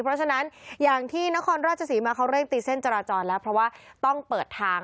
เพราะฉะนั้นอย่างที่นครราชศรีมาเขาเร่งตีเส้นจราจรแล้วเพราะว่าต้องเปิดทาง